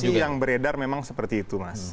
tapi yang beredar memang seperti itu mas